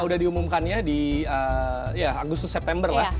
udah diumumkannya di agustus september lah